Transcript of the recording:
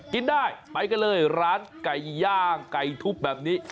กินได้ไปกันเลยร้านไก่ย่างไก่ทุบแบบนี้